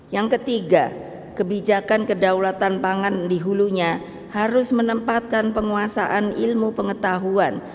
yang ketiga kebijakan kedaulatan pangan di hulunya harus menempatkan penguasaan ilmu pengetahuan